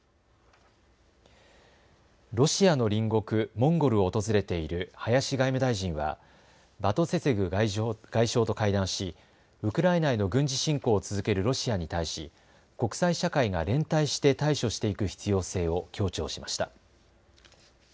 ロシアの隣国モンゴルを訪れている林外務大臣はバトツェツェグ外相と会談しウクライナへの軍事侵攻を続けるロシアに対し国際社会が連帯して対処していく必要性を強調しました。